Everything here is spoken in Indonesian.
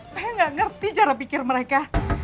saya nggak ngerti cara pikir mereka